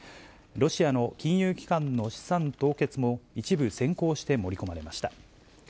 ロシアの金融機関の資産凍結も、一部、先行して盛り込まれました。